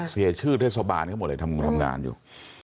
เสียชื่อเทศบาลเขาหมดเลยทำงานอยู่